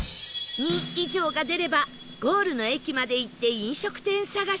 「２」以上が出ればゴールの駅まで行って飲食店探し